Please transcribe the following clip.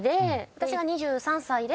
私が２３歳で。